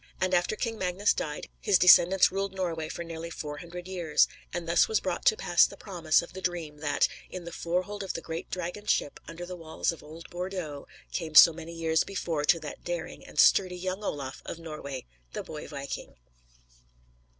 And, after King Magnus died, his descendants ruled Norway for nearly four hundred years; and thus was brought to pass the promise of the dream that, in the "fore hold" of the great dragon ship, under the walls of old Bordeaux, came so many years before to the daring and sturdy young Olaf of Norway, the boy viking.